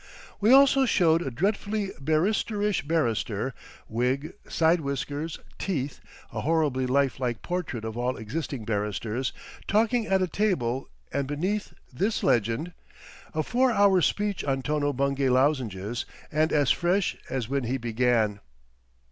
We also showed a dreadfully barristerish barrister, wig, side whiskers, teeth, a horribly life like portrait of all existing barristers, talking at a table, and beneath, this legend: "A Four Hours' Speech on Tono Bungay Lozenges, and as fresh as when he began."